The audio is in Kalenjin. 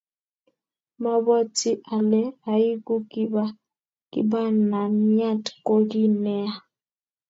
Mabwoti ale ieku kibananiat ko kiy neya